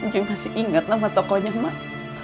cuy masih inget nama tokonya mak